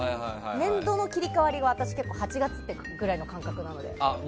年度の切り替わりは私、結構８月ぐらいの感覚なので。